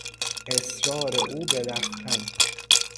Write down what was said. اصرار او به رفتن